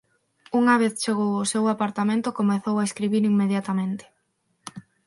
Unha vez chegou ao seu apartamento comezou a escribir inmediatamente.